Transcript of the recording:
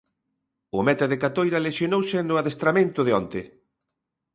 O meta de Catoira lesionouse no adestramento de onte.